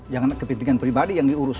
jangan kepentingan pribadi yang diurus